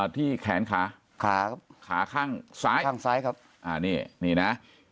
ที่แขนขาขาครับขาข้างซ้ายข้างซ้ายครับอ่านี่นี่นะ